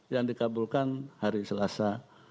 yang dikabulkan hari selasa